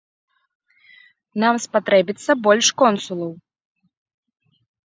Нам спатрэбіцца больш консулаў.